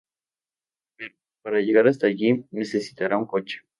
Pero, para llegar hasta allí, necesitará un coche.